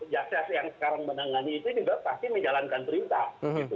jaksa yang sekarang menangani itu juga pasti menjalankan perintah